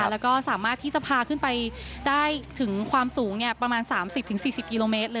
แล้วก็สามารถที่จะพาขึ้นไปได้ถึงความสูงประมาณ๓๐๔๐กิโลเมตร